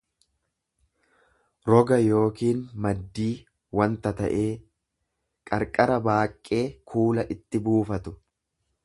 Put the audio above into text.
roga yookiin maddii wanta ta'ee; Qarqara baaqqee kuula itti buufatu.